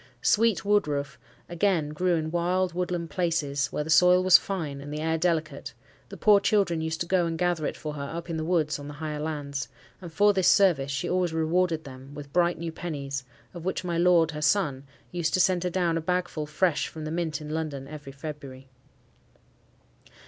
Sweet woodroof, again, grew in wild, woodland places where the soil was fine and the air delicate: the poor children used to go and gather it for her up in the woods on the higher lands; and for this service she always rewarded them with bright new pennies, of which my lord, her son, used to send her down a bagful fresh from the Mint in London every February.